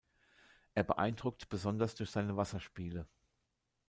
Er beeindruckt besonders durch seine Wasserspiele.